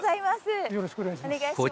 よろしくお願いします。